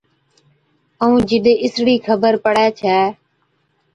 ائُون جِڏَ اِسڙِي خبر پَڙي ڇَي